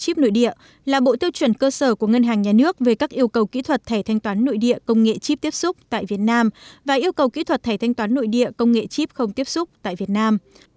chip nội địa là bộ tiêu chuẩn cơ sở của ngân hàng nhà nước về các yêu cầu kỹ thuật thẻ thanh toán nội địa công nghệ chip tiếp xúc tại việt nam và yêu cầu kỹ thuật thẻ thanh toán nội địa công nghệ chip không tiếp xúc tại việt nam